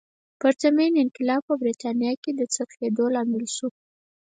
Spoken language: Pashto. پرتمین انقلاب په برېټانیا کې د څرخېدو لامل شو.